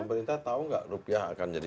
pemerintah tahu nggak rupiah akan jadi lima belas